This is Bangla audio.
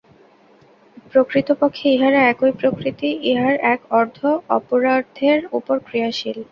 প্রকৃতপক্ষে ইহারা একই প্রকৃতি, ইহার এক অর্ধ অপরার্ধের উপর ক্রিয়াশীল।